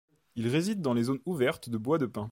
Il réside dans les zones ouvertes de bois de pins.